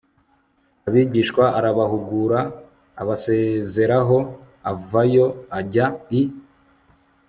abigishwa arabahugura abasezeraho avayo ajya i